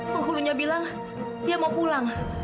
penghulunya bilang dia mau pulang